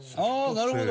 なるほど。